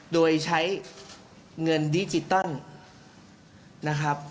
โดยใช้เงินดิจิตอลนะครับ